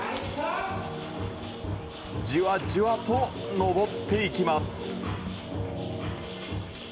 じわじわと登っていきます。